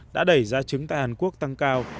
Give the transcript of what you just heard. đã đẩy da trứng tại hàn quốc tăng cao